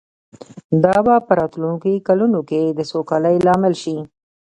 دا به په راتلونکو کلونو کې د سوکالۍ لامل شي